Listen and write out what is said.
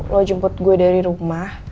lo jemput gue dari rumah